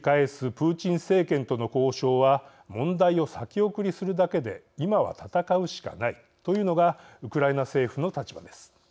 プーチン政権との交渉は問題を先送りするだけで今は戦うしかない、というのがウクライナ政府の立場です。